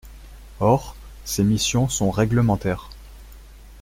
Or, ces missions sont réglementaires.